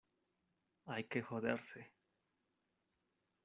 hay que joderse.